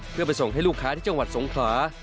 เพื่อไปส่งให้ลูกค้าที่จังหวัดสงขลา